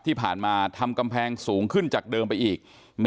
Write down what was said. ที่ผ่านมาทำกำแพงสูงขึ้นจากเดิมไปอีก